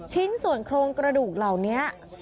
ชิ้นส่วนโครงกระดูกเหล่านี้